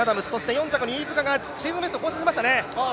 ４着に飯塚、シーズンベスト更新しましたね。